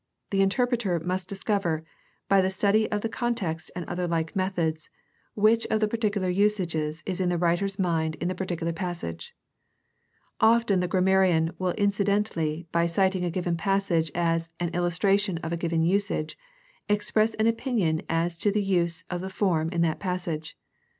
The interpreter must discover, by the study of the context and other like methods, which of the particular usages is in the writer's mind in the particular passage. Often the grammarian will incidentally, by citing a given passage as an illustration of a given usage, express an opinion as to the use of the form in that passage.